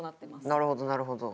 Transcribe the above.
なるほどなるほど。